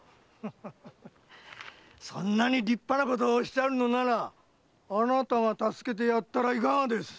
そんなに立派なことをおっしゃるのならあなたが助けてやったらいかがです？